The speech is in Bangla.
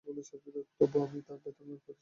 তবুও, আমি আমার ব্যাথার প্রতিশোধ নেব আজ।